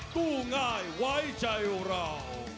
กู้ง่ายไว้ใจเรา